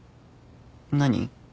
何？